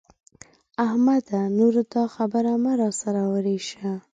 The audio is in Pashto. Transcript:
احمده! نور دا خبره مه را سره ورېشه.